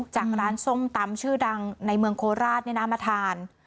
จากร้านส้มตำชื่อดังในเมืองโคราชมาทาน